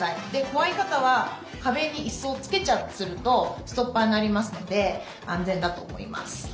怖い方は壁にいすをつけちゃってするとストッパーになりますので安全だと思います。